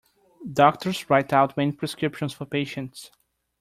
Doctor's write out many prescriptions for patients.